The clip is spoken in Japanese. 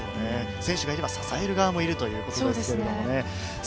選手がいれば支える側もいるということですね。